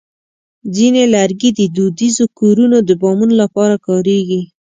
ځینې لرګي د دودیزو کورونو د بامونو لپاره کارېږي.